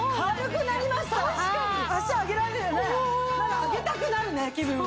上げたくなるね気分は。